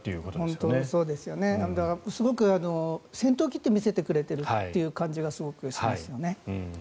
すごく先頭を切って見せてくれている感じがすごくしますね。